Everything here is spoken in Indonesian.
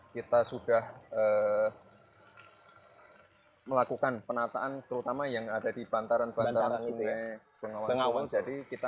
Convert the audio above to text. kita sudah melakukan penataan terutama yang ada di bantaran bantaran sungai bengawan jadi kita